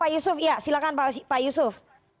pak yusuf silakan pak yusuf